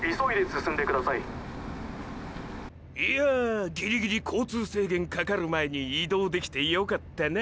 いやぁギリギリ交通制限かかる前に移動できてよかったな！！